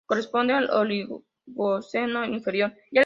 Corresponde al Oligoceno inferior.